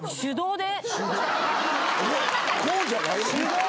こうじゃないの？